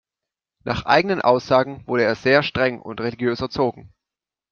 Nach eigenen Aussagen wurde er sehr streng und religiös erzogen.